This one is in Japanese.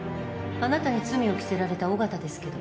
あなたに罪を着せられた緒方ですけど。